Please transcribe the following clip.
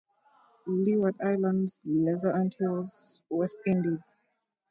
Leeward Islands, Lesser Antilles, West Indies.